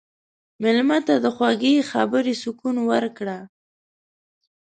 مېلمه ته د خوږې خبرې سکون ورکړه.